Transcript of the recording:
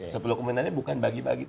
sepuluh komentarnya bukan bagi bagi